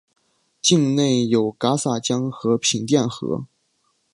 境内有戛洒江和平甸河。